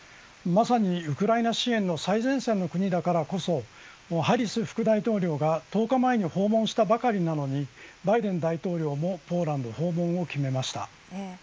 まさに、ウクライナ支援の最前線の国だからこそハリス副大統領が１０日前に訪問したばかりなのにバイデン大統領もポーランド訪問を決めました。